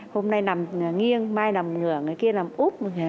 hôm nay nằm nghiêng mai nằm ngửa ngày kia nằm úp